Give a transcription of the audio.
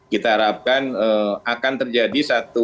kita harapkan akan terjadi satu